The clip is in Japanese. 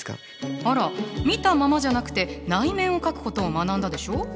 あら見たままじゃなくて内面を描くことを学んだでしょ？